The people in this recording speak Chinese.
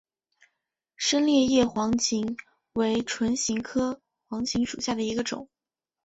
深裂叶黄芩为唇形科黄芩属下的一个种。